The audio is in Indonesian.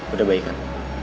udah baik kan